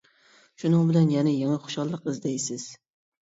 شۇنىڭ بىلەن يەنە يېڭى خۇشاللىق ئىزدەيسىز.